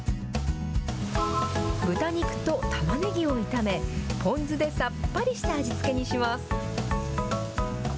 豚肉とたまねぎを炒め、ポン酢でさっぱりした味付けにします。